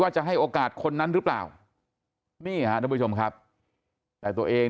จะให้โอกาสคนนั้นหรือเปล่านี่ฮะทุกผู้ชมครับแต่ตัวเอง